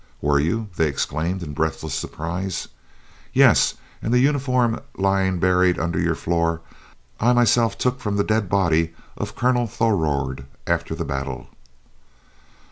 "Were you?" they exclaimed in breathless surprise. "Yes, and the uniform lying buried under your floor I myself took from the dead body of Colonel Thorold after the battle."